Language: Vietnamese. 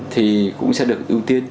thì cũng sẽ được ưu tiên